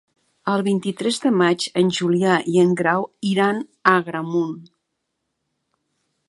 El vint-i-tres de maig en Julià i en Grau iran a Agramunt.